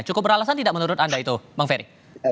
cukup beralasan tidak menurut anda itu bang ferry